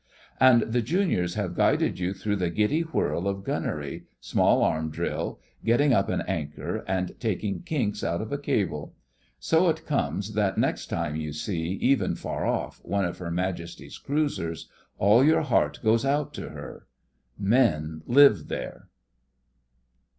and the Juniors have guided you through the giddy whirl of gunnery, small arm drill, getting up an anchor, and taking kinks out of a cable. So it comes that next time you see, even far off, one of Her Majesty's cruisers, all your heart goes out to her. Men live there.